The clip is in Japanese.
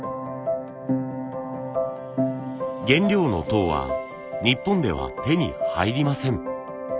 原料の籐は日本では手に入りません。